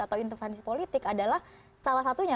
atau intervensi politik adalah salah satunya